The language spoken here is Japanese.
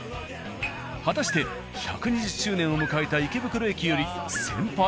果たして１２０周年を迎えた池袋駅より先輩？